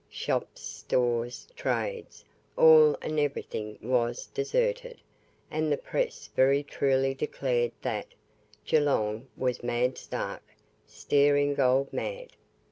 Shops, stores, trades, all and everything was deserted; and the press very truly declared that "Geelong was mad stark, staring gold mad."